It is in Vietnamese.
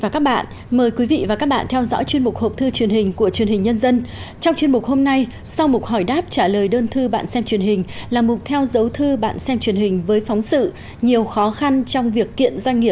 cảm ơn các bạn đã theo dõi